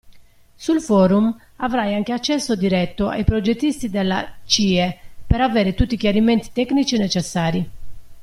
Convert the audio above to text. Sul forum, avrai anche accesso diretto ai progettisti della CIE per avere tutti i chiarimenti tecnici necessari.